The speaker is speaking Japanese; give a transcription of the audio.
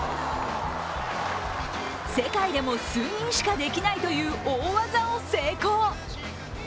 世界でも数人しかできないという大技を成功。